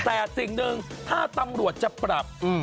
แต่สิ่งหนึ่งถ้าตำรวจจะปรับ